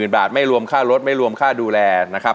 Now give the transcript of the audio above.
บาทไม่รวมค่ารถไม่รวมค่าดูแลนะครับ